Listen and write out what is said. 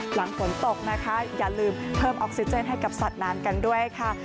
หลังฝนตกนะคะอย่าลืมเพิ่มออกซิเจนให้กับสัตว์น้ำกันด้วยค่ะ